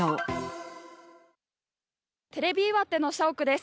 テレビ岩手の社屋です。